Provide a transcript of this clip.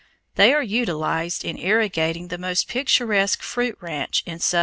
They are utilized in irrigating the most picturesque fruit ranch in southern Idaho.